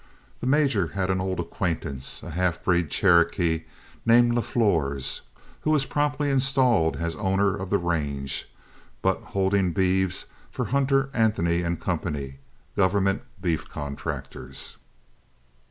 The major had an old acquaintance, a half breed Cherokee named LaFlors, who was promptly installed as owner of the range, but holding beeves for Hunter, Anthony & Co., government beef contractors.